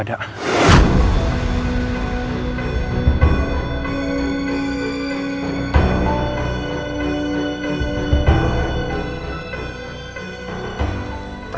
andi gak ada